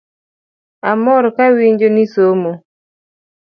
Amor kawinjo nisomo